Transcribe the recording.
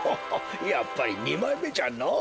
やっぱりにまいめじゃのぉ。